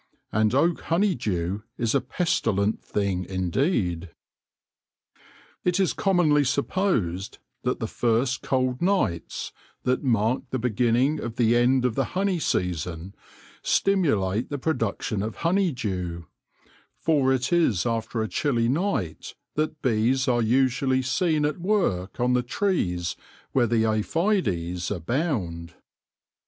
And oak honeydew is a pestilent thing indeed. It is commonly supposed that the first cold nights; that mark the beginning of the end of the honey season, stimulate the production of honeydew; for it is after a chilly night that bees are usually seen at work on the trees where the aphides abound.